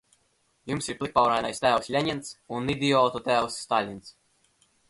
Jums ir plikpaurainais tēvs Ļeņins un idiotu tēvs Staļins.